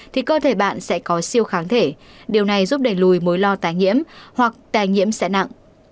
thì cơ thể bạn sẽ có siêu kháng thể điều này giúp đẩy lùi mối lo tái nhiễm hoặc tài nhiễm sẽ nặng